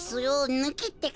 ぬきってか。